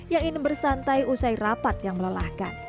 yang ingin bersantai usai rapat yang melelahkan